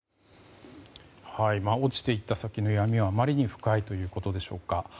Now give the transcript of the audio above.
落ちていった先の闇はあまりに深いということでしょうか。